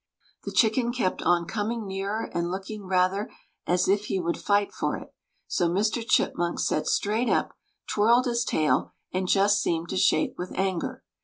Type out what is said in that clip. The chicken kept on coming nearer and looking rather as if he would fight for it, so Mr. Chipmunk sat straight up, twirled his tail, and just seemed to shake with anger.